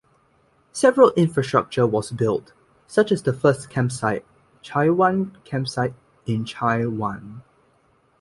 Several infrastructure was built, such as the first campsite, Chaiwan Campsite in Chai Wan.